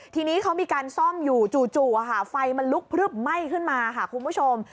ทีนี้เขามีการซ่อมอยู่จู่อ่ะค่ะไฟมันลุกไม่ขึ้นมาค่ะคุณผู้ชม